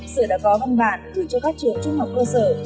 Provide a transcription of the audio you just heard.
sở đã có văn bản gửi cho các trường trung học cơ sở